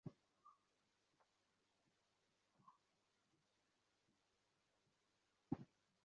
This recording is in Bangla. চালিয়ে যাও, লাটভিয়ান!